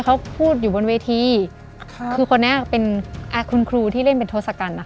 เขาพูดอยู่บนเวทีค่ะคือคนนี้เป็นอ่าคุณครูที่เล่นเป็นทศกัณฐ์นะคะ